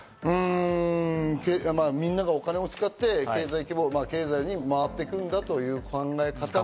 みんながお金を使って経済が回っていくんだという考え方。